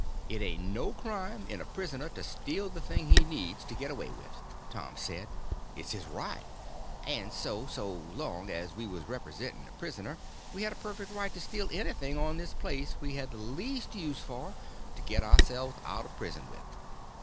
It ain't no crime in a prisoner to steal the thing he needs to get away with, Tom said; it's his right; and so, as long as we was representing a prisoner, we had a perfect right to steal anything on this place we had the least use for to get ourselves out of prison with.